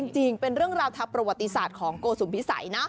จริงเป็นเรื่องราวทางประวัติศาสตร์ของโกสุมพิสัยนะ